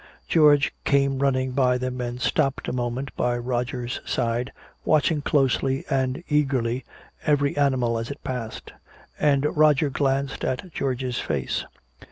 George came running by them and stopped a moment by Roger's side, watching closely and eagerly every animal as it passed. And Roger glanced at George's face.